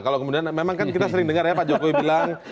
kalau kemudian memang kan kita sering dengar ya pak jokowi bilang